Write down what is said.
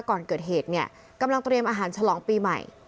ก่อนเกิดเหตุเนี่ยกำลังเตรียมอาหารฉลองปีใหม่